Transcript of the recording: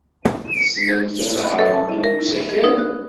Tessnemt anehhaṛ-nni n usakal?